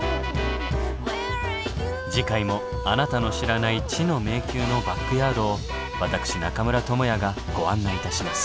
次回もあなたの知らない知の迷宮のバックヤードを私中村倫也がご案内いたします。